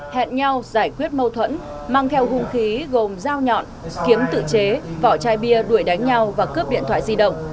hẹn nhau giải quyết mâu thuẫn mang theo hung khí gồm dao nhọn kiếm tự chế vỏ chai bia đuổi đánh nhau và cướp điện thoại di động